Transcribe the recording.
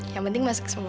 yang penting masak semua